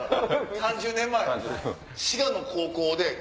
３０年前滋賀の高校で。